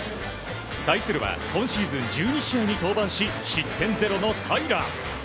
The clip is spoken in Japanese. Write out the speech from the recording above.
対するは今シーズン１２試合に登板し失点ゼロの平良。